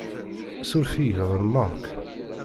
Suref-iyi ḍelmeɣ-k.